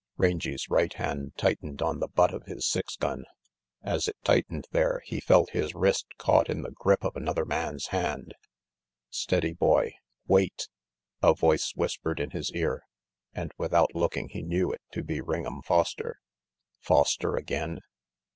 Rangy's right hand tightened on the butt of his six gun. As it tightened there, he felt his wrist caught in the grip of another man's hand. "Steady, boy. Wait," a voice whispered hi his ear; and without looking he knew it to be Ring'em Foster. Foster again?